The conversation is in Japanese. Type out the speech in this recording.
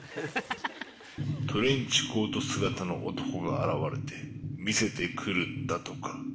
トレンチコート姿の男が現れて見せてくるんだとか。